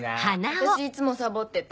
私いつもサボってた。